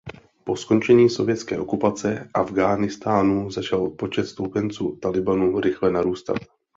Po skončení sovětské okupace Afghánistánu začal počet stoupenců Tálibánu rychle narůstat.